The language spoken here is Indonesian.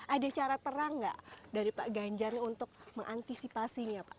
ada cara perang nggak dari pak ganjari untuk mengantisipasinya pak